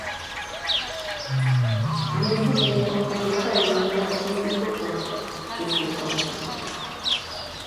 Al mismo tiempo adopta el nombre artístico con que se le conoció.